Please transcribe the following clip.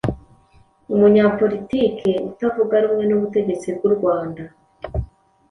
umunyapolitike utavuga rumwe n'ubutegetsi bw'u Rwanda.